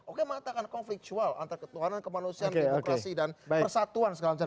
oke mengatakan konflik jual antar ketuhanan kemanusiaan demokrasi dan persatuan segala macam